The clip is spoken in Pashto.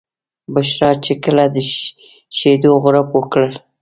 بشرا چې کله د شیدو غوړپ وکړ.